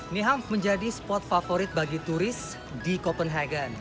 nyhamf menjadi spot favorit bagi turis di copenhagen